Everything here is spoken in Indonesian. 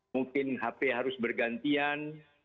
mungkin hp harus bergantian